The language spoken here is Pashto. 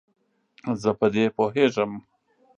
زه په دې پوهیږم.